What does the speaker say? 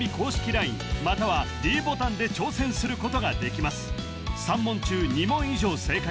ＬＩＮＥまたはｄボタンで挑戦することができます